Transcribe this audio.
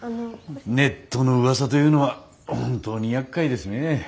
ネットのうわさというのは本当にやっかいですね。